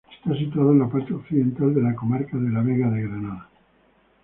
Está situada en la parte occidental de la comarca de la Vega de Granada.